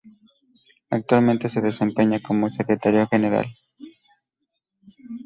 Actualmente se desempeña como secretario general.